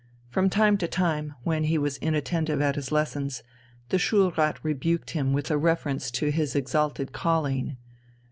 From time to time, when he was inattentive at his lessons, the Schulrat rebuked him with a reference to his exalted calling.